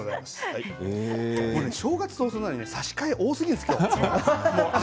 正月早々なのに差し替え多すぎですよ、今日。